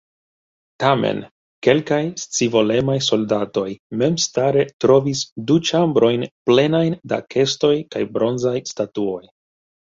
Tamen kelkaj scivolemaj soldatoj memstare trovis du ĉambrojn plenajn da kestoj kaj bronzaj statuoj.